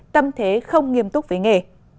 tâm thế không nghiêm túc với nghề